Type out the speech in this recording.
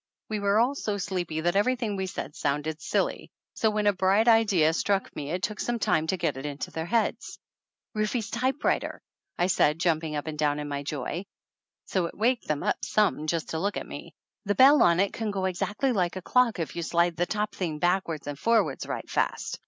We were all so sleepy that everything we said sounded silly, so when a bright idea struck me it took some time to get it into their heads. "Rufe's typewriter!" I said, jumping up and down in my joy, so it waked them up some just to look at me. "The bell on it can go exactly like a clock if you slide the top thing back wards and forwards right fast.